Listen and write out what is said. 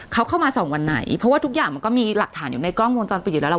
เขาเข้ามาสองวันไหนเพราะว่าทุกอย่างมันก็มีหลักฐานอยู่ในกล้องวงจรปิดอยู่แล้วล่ะ